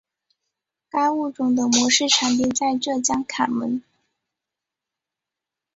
该物种的模式产地在浙江坎门。